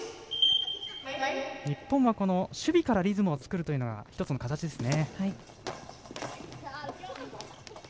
日本は守備からリズムを作るというのが１つの形ですね。